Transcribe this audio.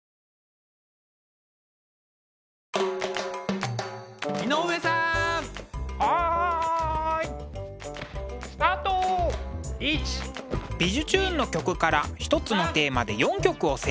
「びじゅチューン！」の曲から一つのテーマで４曲をセレクト。